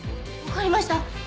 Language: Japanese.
わかりました。